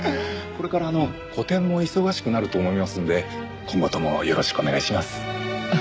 これから個展も忙しくなると思いますので今後ともよろしくお願いします。